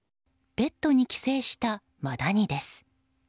ペットに寄生したマダニです。